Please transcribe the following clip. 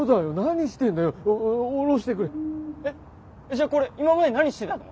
じゃあこれ今まで何してたの？